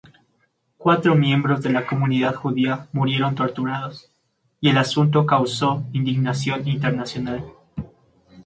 Cuatro miembros de la comunidad judía murieron torturados, y el asunto causó indignación internacional.